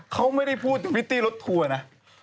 เข้าไม่ได้พูดพบพิฒาคต์รถทัวร์นะ